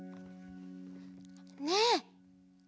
ねえ。